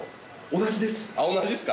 同じですか？